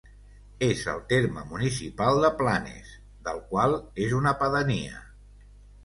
És al terme municipal de Planes, del qual és una pedania.